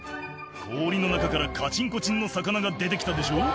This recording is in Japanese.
氷の中からカチンコチンの魚が出てきたでしょ」